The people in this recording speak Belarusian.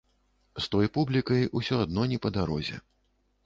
З той публікай ўсё адно не па дарозе.